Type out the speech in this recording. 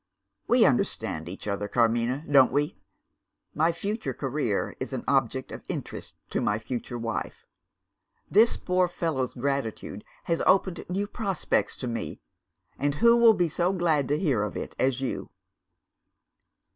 We understand each other, Carmina, don't we? My future career is an object of interest to my future wife. This poor fellow's gratitude has opened new prospects to me; and who will be so glad to hear of it as you?